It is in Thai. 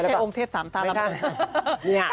ไม่ใช่องค์เทพ๓ตาลำ